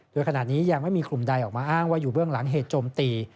โดยขณะนี้ยังไม่มีกลุ่มใดออกมาอ้างว่าอยู่เบื้องหลังเหตุโจมตี